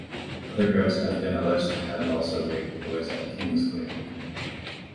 Other guards have been alleged to have also raped boys at Kingsclear.